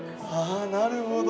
あなるほど。